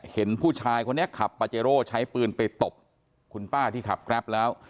เห็นผู้ชายคนนี้ขับปาเจโร่ใช้ปืนไปตบคุณป้าที่ขับแกรปแล้ว